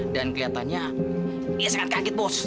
dan kelihatannya dia sangat kaget bos